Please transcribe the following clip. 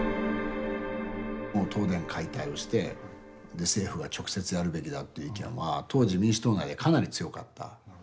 もう東電解体をして政府が直接やるべきだっていう意見は当時民主党内でかなり強かった。